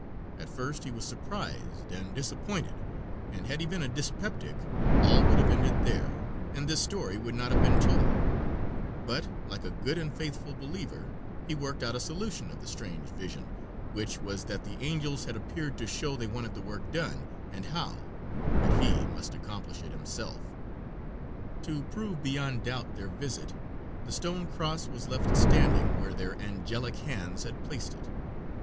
At first he was surprised and disappointed, and had he been a dyspeptic all would have ended there, and this story would not have to be told; but, like a good and faithful believer, he worked out a solution of the strange vision, which was that the angels had appeared to show they wanted the work done and how, but he must accomplish it himself. To prove beyond doubt their visit, the stone cross was left standing where their angelic hands had placed it.